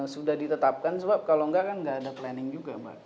sudah ditetapkan sebab kalau enggak kan nggak ada planning juga mbak